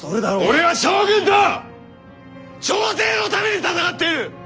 俺は将軍と朝廷のために戦っている！